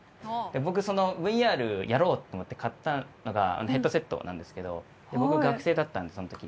僕ＶＲやろうと思って買ったのがヘッドセットなんですけど僕学生だったんでその時。